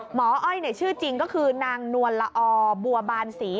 หมออ้อยแนะชื่อจริงก็คือนางนวรอบัวบานศรี